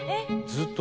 ずーっと？